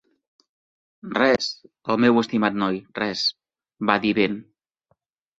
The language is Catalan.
"Res, el meu estimat noi, res", va dir ben.